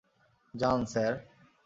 যান, স্যার।